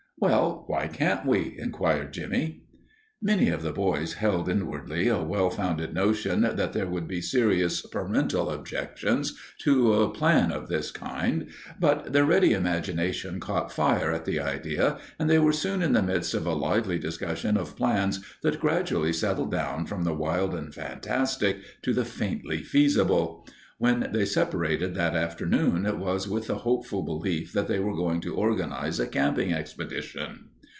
"Well, why can't we?" inquired Jimmie. Many of the boys held inwardly a well founded notion that there would be serious parental objections to a plan of this kind, but their ready imaginations caught fire at the idea and they were soon in the midst of a lively discussion of plans that gradually settled down from the wild and fantastic to the faintly feasible. When they separated that afternoon it was with the hopeful belief that they were going to organize a camping expedition.